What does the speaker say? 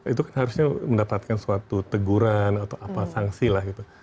itu harusnya mendapatkan suatu teguran atau apa sangsi lah